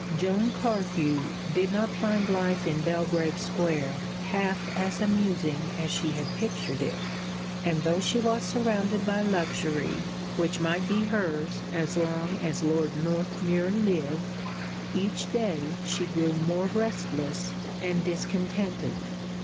Joan Carthew did not find life in Belgrave Square half as amusing as she had pictured it, and though she was surrounded by luxury which might be hers as long as Lord Northmuir lived, each day she grew more restless and discontented.